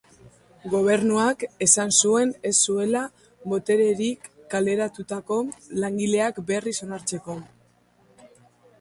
Gobernuak esan zuen ez zuela botererik kaleratutako langileak berriz onartzeko.